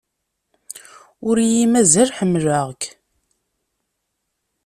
Ur iyi-mazal ḥemmleɣ-k.